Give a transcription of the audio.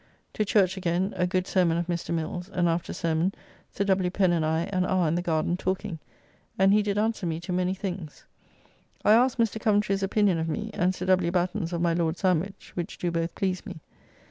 To church again, a good sermon of Mr. Mills, and after sermon Sir W. Pen and I an hour in the garden talking, and he did answer me to many things, I asked Mr. Coventry's opinion of me, and Sir W. Batten's of my Lord Sandwich, which do both please me.